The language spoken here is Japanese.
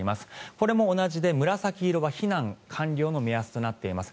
これも同じで紫色は避難完了の目安となっています。